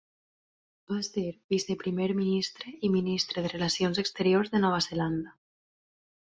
Va ser Viceprimer Ministre i Ministre de Relacions Exteriors de Nova Zelanda.